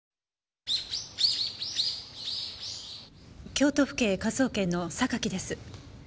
京都府警科捜研の榊です。